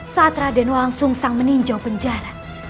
saat raden wolang sungsang meninjau penjara